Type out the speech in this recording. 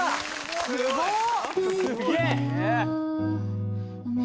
すごっ！